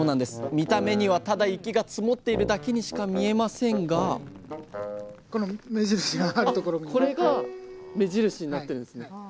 見た目にはただ雪が積もっているだけにしか見えませんがこれが目印になってるんですね。